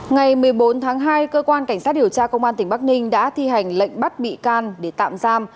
ngày một mươi bốn tháng hai cơ quan cảnh sát điều tra công an tỉnh bắc ninh đã thi hành lệnh bắt bị can để tạm giam